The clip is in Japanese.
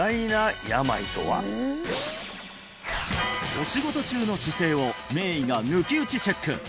お仕事中の姿勢を名医が抜き打ちチェック！